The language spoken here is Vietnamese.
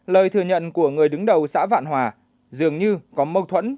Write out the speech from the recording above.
lời thừa nhận của người đứng đầu xã vạn hòa dường như có mâu thuẫn